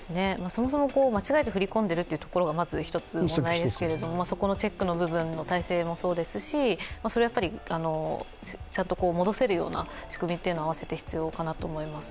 そもそも間違えて振り込んでいるということがまず１つ問題ですけれどもそこのチェックの部分の体制もそうですし、ちゃんと戻せるような仕組みは併せて必要かなと思います。